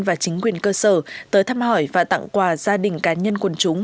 và chính quyền cơ sở tới thăm hỏi và tặng quà gia đình cá nhân quần chúng